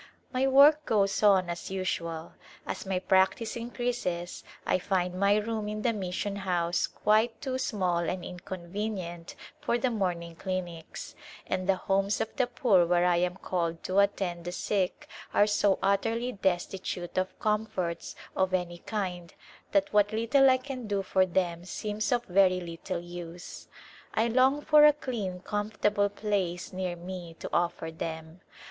My work goes on as usual. As my practice in creases I find my room in the mission house quite too small and inconvenient for the morning clinics, and the homes of the poor where I am called to attend the sick are so utterly destitute of comforts of any kind that what little I can do for them seems of very little use. I long for a clean, comfortable place near me to offer them.